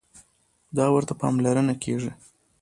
دا ورته پاملرنه کېږي.